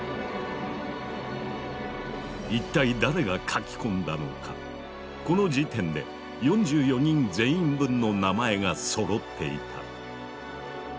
一体誰が書き込んだのかこの時点で４４人全員分の名前がそろっていた。